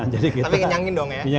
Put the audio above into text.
tapi kenyangin dong ya